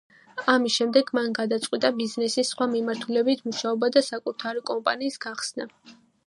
ამის შემდეგ მან გადაწყვიტა ბიზნესის სხვა მიმართულებით მუშაობა და საკუთარი კომპანიის გახსნა.